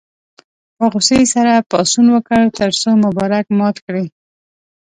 په غوسې سره پاڅون وکړ تر څو مبارک مات کړي.